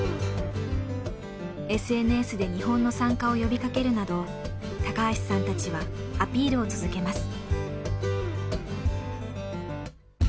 ＳＮＳで日本の参加を呼びかけるなど高橋さんたちはアピールを続けます。